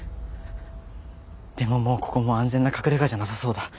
でももうここも安全な隠れ家じゃなさそうだ。